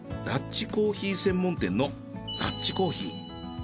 ダッチコーヒー専門店のダッチコーヒー。